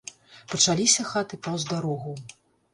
Пачаліся хаты паўз дарогу.